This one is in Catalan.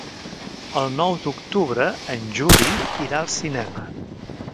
El nou d'octubre en Juli irà al cinema.